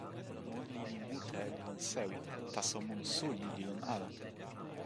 mun lili mute li lon sewi, taso mun suli li lon ala.